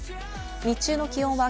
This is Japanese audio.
日中の気温は